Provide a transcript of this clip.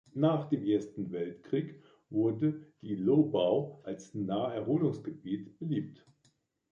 Nach dem Ersten Weltkrieg wurde die Lobau als Naherholungsgebiet beliebt.